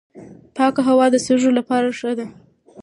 پاکه هوا د سږو لپاره ښه ده.